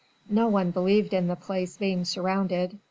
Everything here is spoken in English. No one believed in the place being surrounded.